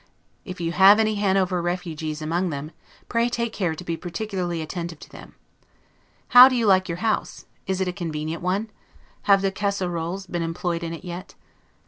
If you have any Hanover 'refugies' among them, pray take care to be particularly attentive to them. How do you like your house? Is it a convenient one? Have the 'Casserolles' been employed in it yet?